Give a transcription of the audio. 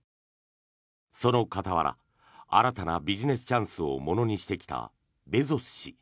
その傍ら新たなビジネスチャンスをものにしてきたベゾス氏。